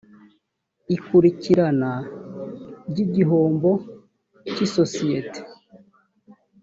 ikurikirana ry igihombo cy isosiyete